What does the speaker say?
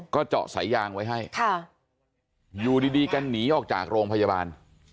ก็เจาะสายยางไว้ให้อยู่ดีกันหนีออกจากโรงพยาบาล